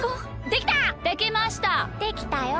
できたよ！